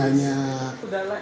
udah like pak